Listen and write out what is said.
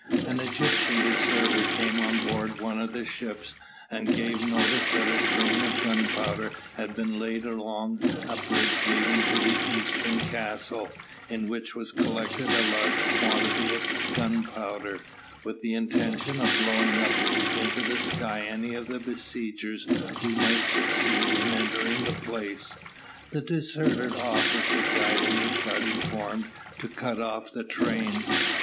An Egyptian deserter came on board one of the ships, and gave notice that a train of gunpowder had been laid along a bridge leading to the eastern castle, in which was collected a large quantity of gunpowder, with the intention of blowing up into the sky any of the besiegers who might succeed in entering the place. The deserter offered to guide any party formed to cut off the train.